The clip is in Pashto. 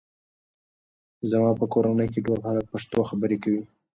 زما په کورنۍ کې ټول خلک پښتو خبرې کوي.